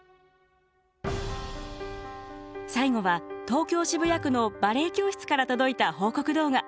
最後は東京・渋谷区のバレエ教室から届いた報告動画。